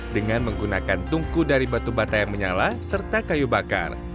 dengan menggunakan tungku dari batu bata yang menyala serta kayu bakar